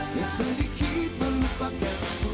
yang sedikit melupakanku